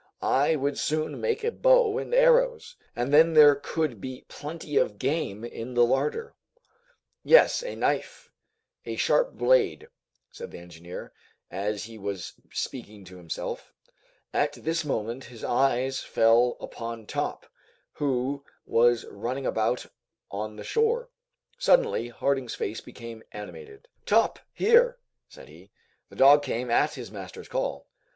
I would soon make a bow and arrows, and then there could be plenty of game in the larder!" "Yes, a knife, a sharp blade." said the engineer, as if he was speaking to himself. At this moment his eyes fell upon Top, who was running about on the shore. Suddenly Harding's face became animated. "Top, here," said he. The dog came at his master's call.